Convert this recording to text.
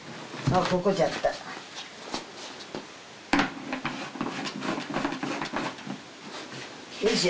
あここじゃったよいしょ